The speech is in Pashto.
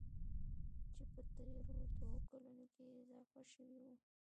چې په تېرو دوو کلونو کې اضافه شوي وو.